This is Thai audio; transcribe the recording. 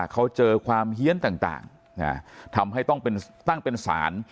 เขาเจอความเฮียนต่างทำให้ต้องตั้งเป็นศาล